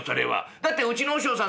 だってうちの和尚さん